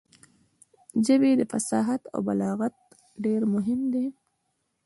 د ژبې فصاحت او بلاغت ډېر مهم دی.